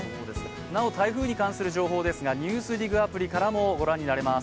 なお台風に関する情報ですが「ＮＥＷＳＤＩＧ」アプリからもご覧になれます。